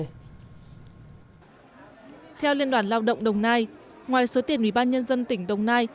theo liên đoàn lao động đồng nai ngoài số tiền ủy ban nhân dân tỉnh đồng nai